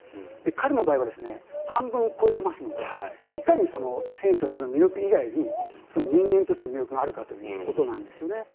彼の場合は半分を超えていますのでいかに選手としての魅力以外に人間としての魅力があるかということなんですよね。